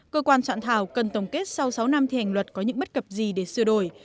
cơ quan soạn thảo cần tổng kết sau sáu năm thi hành luật có những bất cập gì để sửa đổi